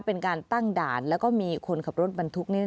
เป็นการตั้งด่านแล้วก็มีคนขับรถบรรทุก